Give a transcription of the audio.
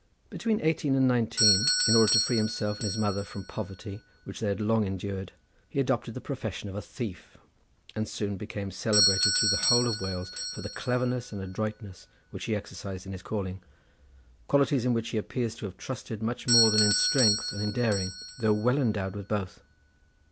Between eighteen and nineteen, in order to free himself and his mother from the poverty which they had long endured, he adopted the profession of a thief, and soon became celebrated through the whole of Wales for the cleverness and adroitness which he exercised in his calling; qualities in which he appears to have trusted much more than in strength and daring, though well endowed with both.